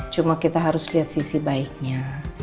cuma kita harus lihat sisi baiknya